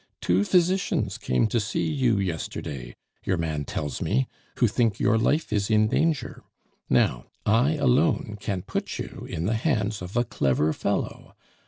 Two physicians came to see you yesterday, your man tells me, who think your life is in danger; now, I alone can put you in the hands of a clever fellow.